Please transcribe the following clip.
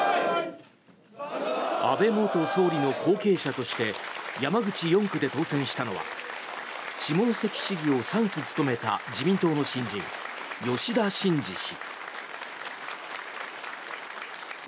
安倍元総理の後継者として山口４区で当選したのは下関市議を３期務めた自民党の新人、吉田真次氏。